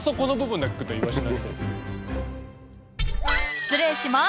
失礼します。